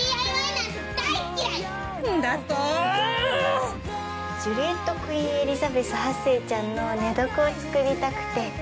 なんだと⁉ジュリエット・クイーン・エリザベス８世ちゃんの寝床を作りたくて。